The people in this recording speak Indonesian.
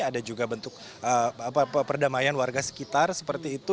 ada juga bentuk perdamaian warga sekitar seperti itu